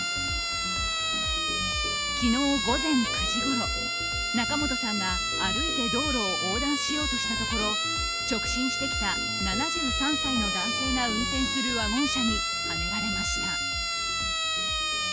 昨日午前９時ごろ仲本さんが歩いて道路を横断しようとしたところ直進してきた７３歳の男性が運転するワゴン車にはねられました。